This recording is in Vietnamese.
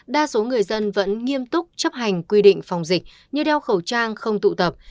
đa số người dân vẫn nghiêm túc chấp hành quy định phòng dịch như đeo khẩu trang không tụ tập